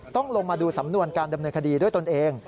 ต้องลงมาดูสำนวนการดำเนินคดีด้วยตนเอง